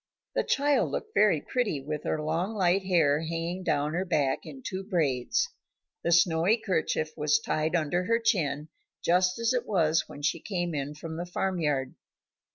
The child looked very pretty, with her long, light hair hanging down her back in two braids. The snowy kerchief was tied under her chin just as it was when she came in from the farm yard.